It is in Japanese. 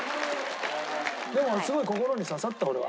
でもすごい心に刺さった俺は。